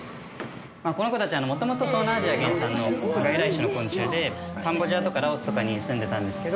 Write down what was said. この子たちは元々東南アジア原産の外来種の昆虫でカンボジアとかラオスとかにすんでたんですけど。